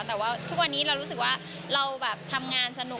แต่ว่าทุกวันนี้เรารู้สึกว่าเราแบบทำงานสนุก